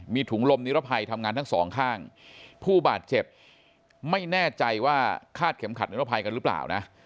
มีถุงลมนิรภัยทำงานทั้งสองข้างผู้บาดเจ็บไม่แน่ใจว่าคาดเข็มขัดนิรภัยกันหรือเปล่านะ